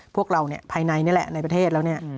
พวกเราภายในนี่แหละในประเทศแล้วเนี่ย